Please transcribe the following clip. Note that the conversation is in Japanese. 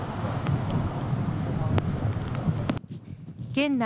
県内